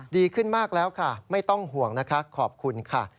ดีขึ้นมากแล้วค่ะไม่ต้องห่วงนะคะขอบคุณค่ะ